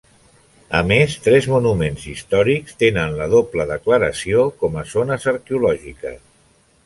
A més, tres monuments històrics tenen la doble declaració com a zones arqueològiques.